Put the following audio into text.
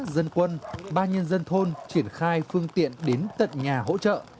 dân quân ba nhân dân thôn triển khai phương tiện đến tận nhà hỗ trợ